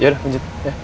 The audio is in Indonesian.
yaudah lanjut ya